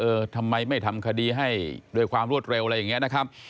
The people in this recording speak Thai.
ทำไมไม่ทำคดีให้ด้วยความรวดเร็วอะไรอย่างนี้นะครับ